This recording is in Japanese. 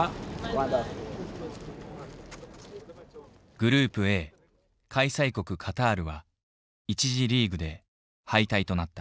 グループＡ開催国カタールは一次リーグで敗退となった。